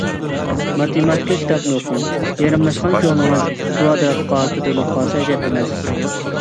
ماتېماتىكا كىتابنى ئوقۇڭ، يېرىملاشقان كۆڭلىڭىز كىۋادراتقا كۆتۈرۈلۈپ قالسا ئەجەب ئەمەس.